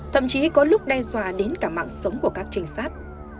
thậm chí có lúc đe dọa đến cả mạng sống của các trinh sát